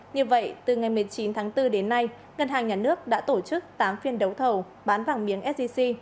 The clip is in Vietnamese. như vậy từ ngày một mươi chín tháng bốn đến nay ngân hàng nhà nước đã tổ chức tám phiên đấu thầu bán vàng miếng sgc